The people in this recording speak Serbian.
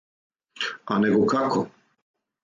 А него како?